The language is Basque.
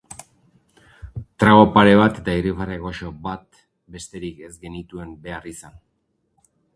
Trago pare bat eta irribarre goxo bat besterik ez genituen behar izan.